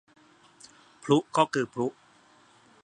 พลุก็คือพลุ